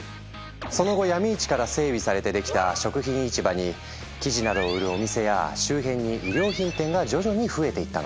その後闇市から整備されてできた食品市場に生地などを売るお店や周辺に衣料品店が徐々に増えていったの。